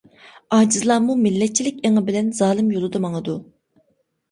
ئاجىزلارمۇ مىللەتچىلىك ئېڭى بىلەن زالىم يولىدا ماڭىدۇ.